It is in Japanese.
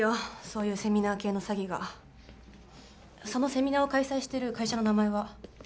そういうセミナー系の詐欺がそのセミナーを開催してる会社の名前は？